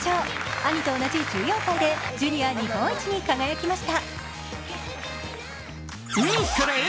兄と同じ１４歳でジュニア日本一に輝きました。